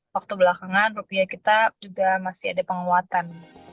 waktu belakangan rupiah kita juga masih ada penguatan